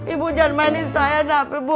ibu jangan mainin saya dapat bu